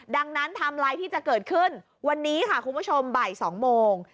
ดังนั้นไทม์ไลน์ที่จะเกิดขึ้นวันนี้ค่ะคุณผู้ชมบ่าย๒โมง